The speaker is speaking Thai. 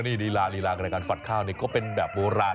นี่ลีลาลีลาการฝัดข้าวนี่ก็เป็นแบบโบราณ